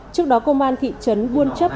trước đó công an thị trấn buôn chấp